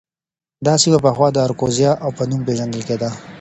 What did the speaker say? دا سیمه پخوا د اراکوزیا په نوم پېژندل کېده.